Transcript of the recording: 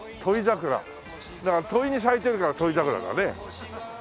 だから土肥に咲いてるから土肥桜だね。